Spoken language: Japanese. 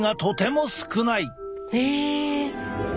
へえ！